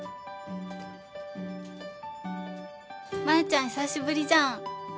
マヤちゃん久しぶりじゃん。